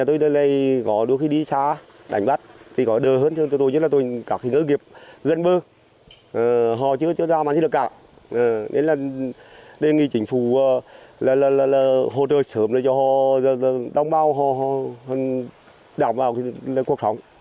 tôi đề nghị chính phủ hỗ trợ sớm cho đồng bào đồng bào quốc thống